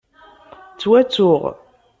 Ttwattuɣ.